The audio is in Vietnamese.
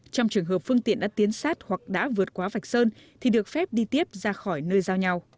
trong trường hợp phương tiện đã tiến sát hoặc đã vượt quá vạch sơn thì được phép đi tiếp ra khỏi nơi giao nhau